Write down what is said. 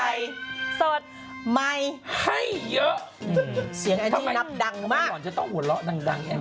วันนี้ดูมาแล้วพี่พีชซาบคนเหมือนแต่งตัวมากของคนละงาน